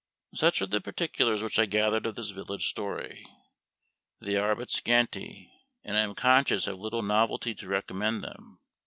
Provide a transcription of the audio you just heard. Such are the particulars which I gathered of this village story. They are but scanty, and I am conscious have little novelty to recommend them.